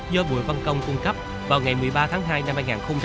do bùi văn công cung cấp vào ngày một mươi ba tháng hai năm hai nghìn một mươi chín